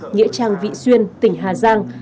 nghĩa trang vị xuyên tỉnh hà giang